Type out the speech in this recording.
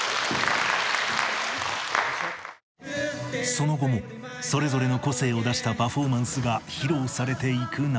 その後もそれぞれの個性を出したパフォーマンスが披露されていく中